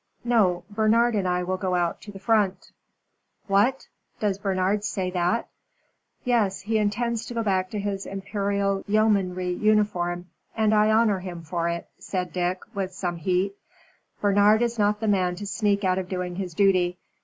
"No. Bernard and I will go out to the Front." "What! Does Bernard say that?" "Yes. He intends to go back to his Imperial Yeomanry uniform, and I honor him for it," said Dick, with some heat. "Bernard is not the man to sneak out of doing his duty.